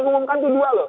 diumumkan itu dua loh